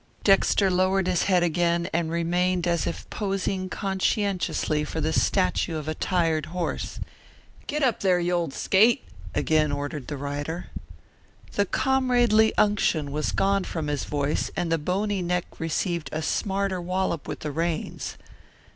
Dexter lowered his head again and remained as if posing conscientiously for the statue of a tired horse. "Giddap, there, you old skate!" again ordered the rider. The comradely unction was gone from his voice and the bony neck received a smarter wallop with the reins.